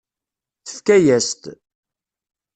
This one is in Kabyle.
Tefka-yas-t.